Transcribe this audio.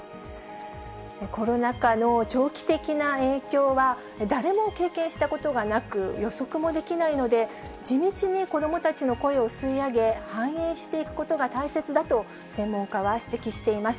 コロナ禍の長期的な影響は、誰も経験したことがなく、予測もできないので、地道に子どもたちの声を吸い上げ、反映していくことが大切だと、専門家は指摘しています。